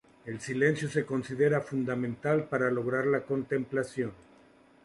El silencio se considera fundamental para lograr la contemplación.